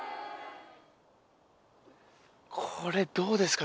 これどうですか？